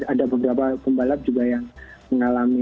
ada beberapa pembalap juga yang mengalami